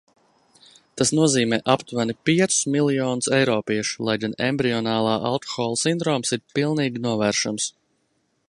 Tas nozīmē aptuveni piecus miljonus eiropiešu, lai gan embrionālā alkohola sindroms ir pilnīgi novēršams.